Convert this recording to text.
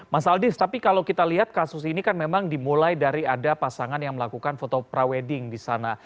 mas aldis tapi kalau kita lihat kasus ini kan memang dimulai dari ada pasangan yang melakukan foto pre wedding di sana